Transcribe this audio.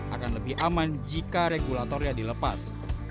akan lebih aman jika regulatornya dilepas